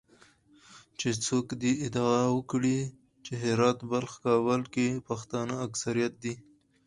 چې څوک دې ادعا وکړي چې هرات، بلخ، کابل کې پښتانه اکثریت دي